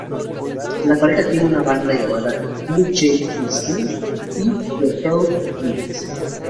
La pareja tiene una banda llamada Luke J Christie y The Held Breath.